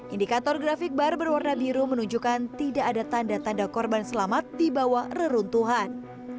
indikator grafik bar berwarna biru menunjukkan tidak ada tanda tanda korban selamat di bawah reruntuhan